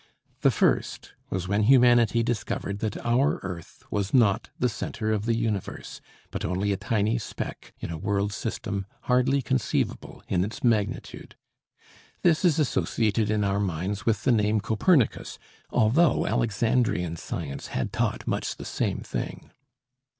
The first was when humanity discovered that our earth was not the center of the universe, but only a tiny speck in a world system hardly conceivable in its magnitude. This is associated in our minds with the name "Copernicus," although Alexandrian science had taught much the same thing.